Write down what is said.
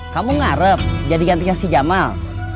kamu ngarep jadi gantinya si jamal